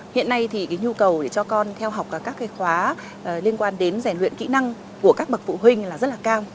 hiện nay thì cái nhu cầu để cho con theo học các khóa liên quan đến rèn luyện kỹ năng của các bậc phụ huynh là rất là cao